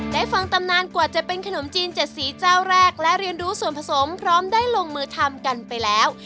ได้ฟังตำนานกว่าจะเป็นขนมจีนเจ็ดสีเจ้าแรกและเรียนรู้ส่วนผสมพร้อมได้ลงมือทำกันไปแล้ว